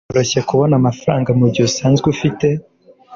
biroroshye kubona amafaranga mugihe usanzwe ufite